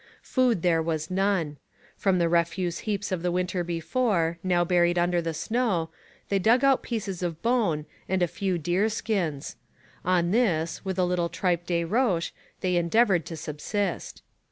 Food there was none. From the refuse heaps of the winter before, now buried under the snow, they dug out pieces of bone and a few deer skins; on this, with a little tripe de roche, they endeavoured to subsist.